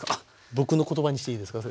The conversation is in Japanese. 僕の言葉にしていいですか？